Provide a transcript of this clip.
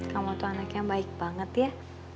kamu tuh anak yang baik banget ya